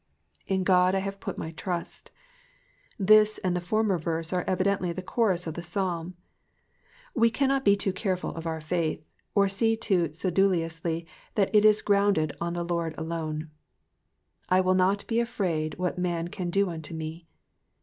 11. /« God have I put my trust.'''' This and the former verse are evidently the chorus of the Psalm. We cannot be too careful of our faith, or see too sedulously that it is grounded on the Lord alone. ^^Iwill not he afraid what man can do unto me.''''